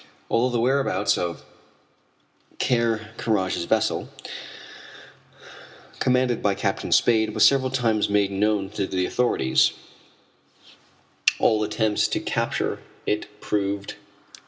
Although the whereabouts of Ker Karraje's vessel, commanded by Captain Spade, was several times made known to the authorities, all attempts to capture it proved futile.